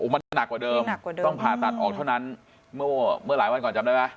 มันจะหนักกว่าเดิมต้องผ่าตัดออกเท่านั้นเมื่อหลายวันก่อนจำได้ไหม